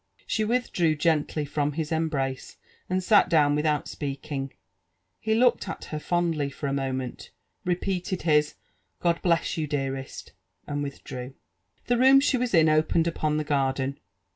" She withdrew gently from his embrace, and sat down without speaking. He looked at her fondly for a moment, repeated his " God bless you, dearest 1" and withdrew. The room she was in opened upon the garden.